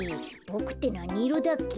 ボクってなにいろだっけ？